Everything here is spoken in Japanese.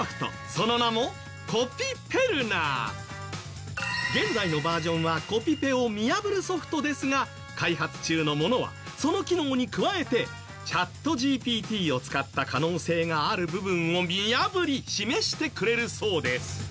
その名も現在のバージョンはコピペを見破るソフトですが開発中のものはその機能に加えてＣｈａｔＧＰＴを使った可能性がある部分を見破り示してくれるそうです。